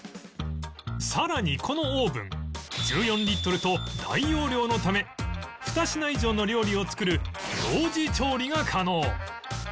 さらにこのオーブン１４リットルと大容量のため２品以上の料理を作る同時調理が可能